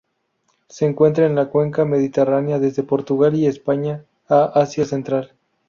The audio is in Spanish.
Se encuentra en la cuenca mediterránea, desde Portugal y España a Asia central.